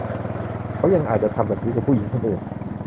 เขายังอาจจะทำแบบนี้กับผู้หญิงคนอื่น